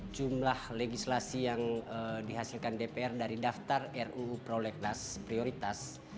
jumlah legislasi yang dihasilkan dpr dari daftar ruu prolegnas prioritas